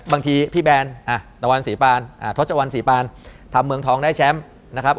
บางทีพี่แบนทศสีปานทำเมืองทองได้แชมป์